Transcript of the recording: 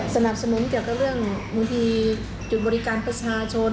สนับสนุนเกี่ยวกับเรื่องบางทีจุดบริการประชาชน